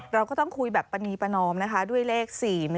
เราก็ต้องคุยแบบปรณีประนอมนะคะด้วยเลข๔๑